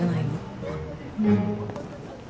うん。